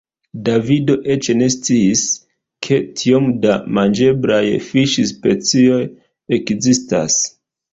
Davido eĉ ne sciis, ke tiom da manĝeblaj fiŝspecioj ekzistas.